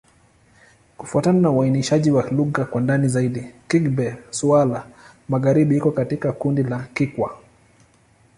Kufuatana na uainishaji wa lugha kwa ndani zaidi, Kigbe-Xwla-Magharibi iko katika kundi la Kikwa.